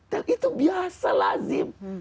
dan itu biasa lazim